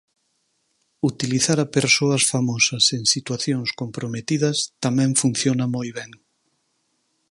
Utilizar a persoas famosas en situacións comprometidas tamén funciona moi ben.